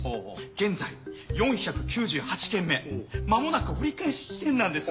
現在４９８軒目まもなく折り返し地点なんです。